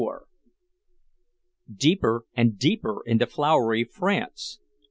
IV Deeper and deeper into flowery France!